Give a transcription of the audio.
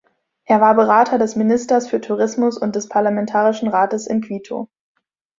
Er war Berater des Ministers für Tourismus und des Parlamentarischen Rates in Quito.